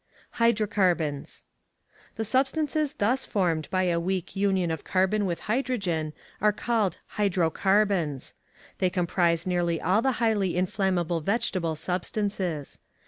Hydrocarbons. The substances thus formed by a weak union of carbon with hydrogen are called hydrocarbons. They comprise nearly all the highly inflammable vegetable substances.